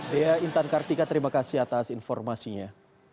dea intan kartika terima kasih atas informasinya